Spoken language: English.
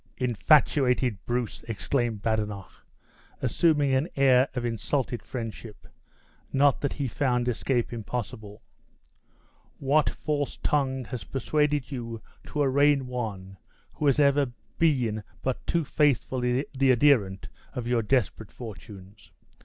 "Infatuated Bruce!" exclaimed Badenoch, assuming an air of insulted friendship, not that he found escape impossible; "what false tongue has persuaded you to arraign one who has ever been but too faithfully the adherent of your desperate fortunes?